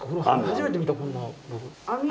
初めて見たこんなの。